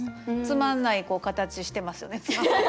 つまんない形してますよね。